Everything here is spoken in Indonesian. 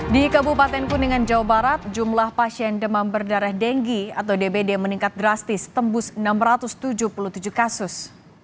di kabupaten kuningan jawa barat jumlah pasien demam berdarah denggi atau dbd meningkat drastis tembus enam ratus tujuh puluh tujuh kasus